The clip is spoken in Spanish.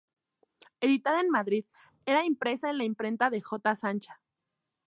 Editada en Madrid, era impresa en la imprenta de J. Sancha.